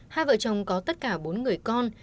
hai vợ chồng có tất cả bốn người con